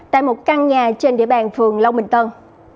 tại một căn nhà trên địa bàn phường long bình tân